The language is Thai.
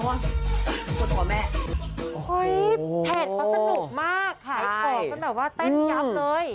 เฮ้ยแผ่นค่ะสนุกมากค่ะขอบเป็นแบบว่าแต้นยับเลย